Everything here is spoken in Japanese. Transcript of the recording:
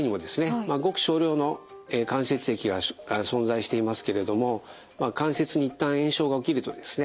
ごく少量の関節液が存在していますけれども関節に一旦炎症が起きるとですね